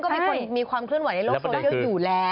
ก็มีคนมีความเคลื่อนไหวในโลกโซเชียลอยู่แล้ว